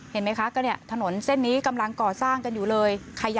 เห็นไหมคะถนนเส้นนี้กำลังก่อสร้างกันอยู่เลย